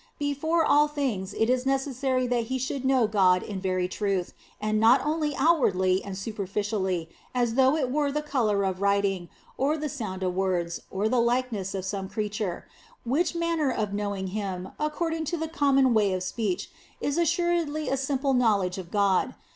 Before all things it is necessary that he should know God in very truth, and not only outwardly and superficially, as though it were through the colour of writing, or the sound of words, or the likeness of some creature ; which manner of knowing Him, according to the common way of speech, is assuredly a simple knowledge of God.